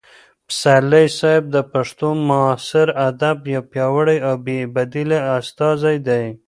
پسرلي صاحب د پښتو معاصر ادب یو پیاوړی او بې بدیله استازی دی.